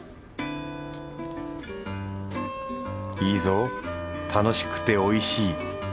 いいぞ楽しくておいしい。